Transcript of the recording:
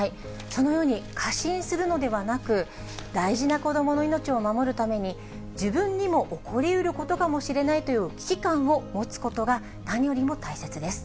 そのように過信するのではなく、大事な子どもの命を守るために、自分にも起こりうることかもしれないという危機感を持つことが何よりも大切です。